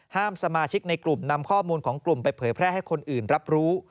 สมาชิกในกลุ่มนำข้อมูลของกลุ่มไปเผยแพร่ให้คนอื่นรับรู้